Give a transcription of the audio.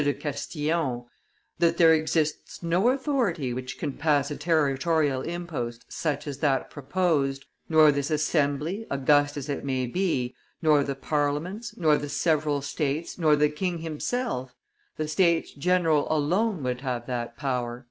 de Castillon, "that there exists no authority which can pass a territorial impost such as that proposed, nor this assembly, august as it may be, nor the parliaments, nor the several states, nor the king himself; the States general alone would have that power."